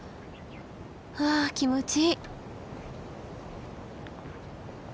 はあ気持ちいい。